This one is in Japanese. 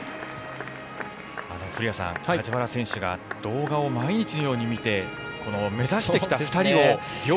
古屋さん、梶原選手が動画を毎日のように見て目指してきた２人。